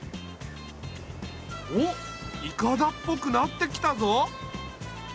おっいかだっぽくなってきたぞ。